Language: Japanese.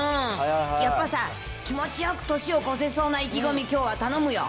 やっぱさ、気持ちよく年を越せそうな意気込み、きょうは頼むよ。